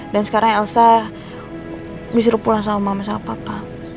dan sekarang elsa disuruh pulang sama mama sama papa